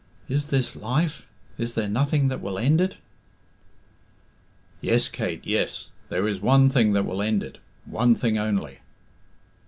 Is this life? Is there nothing that will end it?" "Yes, Kate, yes; there is one thing that will end it one thing only."